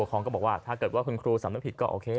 คุณปกครองก็บอกว่าถ้าเกิดว่าคุณครูสำเร็จผิดก็โอเค